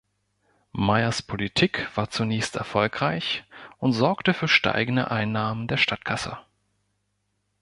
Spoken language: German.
Meyers Politik war zunächst erfolgreich und sorgte für steigende Einnahmen der Stadtkasse.